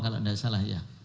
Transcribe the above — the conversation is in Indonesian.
kalau enggak salah ya